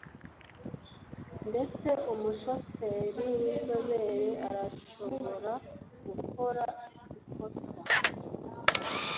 Ndetse umushoferi winzobere arashobora gukora ikosa.